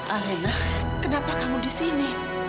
alena kenapa kamu disini